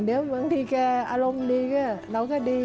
เดี๋ยวบางทีแกอารมณ์ดีก็เราก็ดี